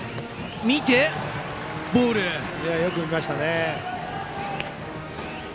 よく見ましたね。